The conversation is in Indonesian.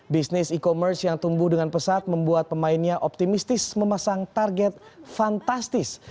bisnis e commerce yang tumbuh dengan pesat membuat pemainnya optimistis memasang target fantastis